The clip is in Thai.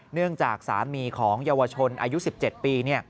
เนื่องจากสามีของเยาวชนอายุ๑๗ปี